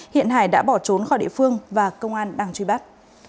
hiện hải đã bỏ trốn khỏi địa phương và công an đang truy bắt